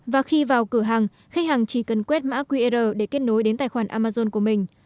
và khi vào cửa hàng khách hàng chỉ cần quét mã qr để kết nối đến tài khoản amazon của mình